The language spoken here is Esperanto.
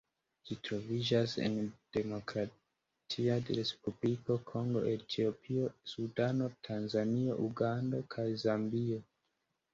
Ĝi troviĝas en Demokratia Respubliko Kongo, Etiopio, Sudano, Tanzanio, Ugando kaj Zambio.